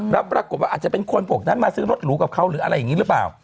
แล้วปรากฏว่าอาจจะเป็นคนพวกนั้นมาซื้อรถหรูกับเขาหรืออะไรอย่างนี้หรือเปล่า